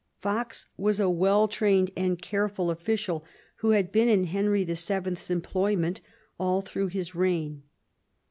Fox was a well trained and careful official, who had been in Henry VII. 's employment all through his reign.